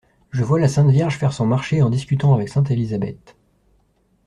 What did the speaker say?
Je vois la Sainte Vierge faire son marché en discutant avec sainte Elisabeth.